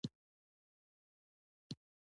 بهلول سمدستي په ځواب کې وویل: نه.